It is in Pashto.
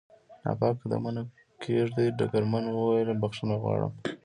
ناپاک قدمونه کېږدي، ډګرمن وویل: بخښنه غواړم.